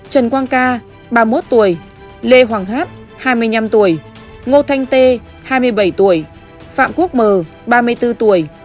trần quang ca ba mươi một tuổi lê hoàng h hai mươi năm tuổi ngô thanh t hai mươi bảy tuổi phạm quốc m ba mươi bốn tuổi